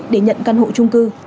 để nhận căn hộ trung cư